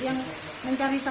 relah mencari vaksin